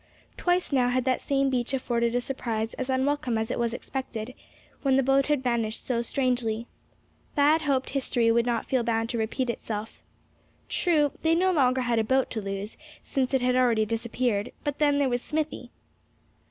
Twice now had that same beach afforded a surprise as unwelcome as it was unexpected, when the boat had vanished so strangely. Thad hoped history would not feel bound to repeat itself. True, they no longer had a boat to lose, since it had already disappeared; but then, there was Smithy!